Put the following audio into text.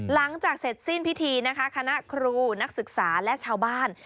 หลังจากเสร็จสิ้นพิธีนะคะคณะครูนักศึกษาและชาวบ้าน